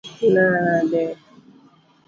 nade?